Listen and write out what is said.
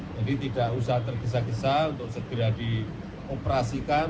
jadi tidak usah tergesa gesa untuk segera dioperasikan